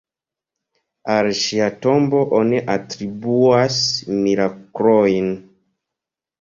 Al ŝia tombo oni atribuas miraklojn.